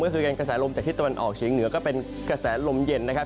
ก็คือการกระแสลมจากที่ตะวันออกเฉียงเหนือก็เป็นกระแสลมเย็นนะครับ